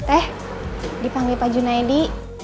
eh dipanggil pak junaedi